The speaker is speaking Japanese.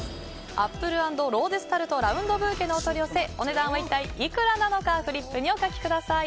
アップル＆ローゼスタルトラウンドブーケのお取り寄せお値段は一体いくらなのかフリップにお書きください。